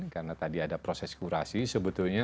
karena tadi ada proses kurasi sebetulnya